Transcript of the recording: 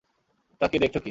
তাকিয়ে দেখছো কী?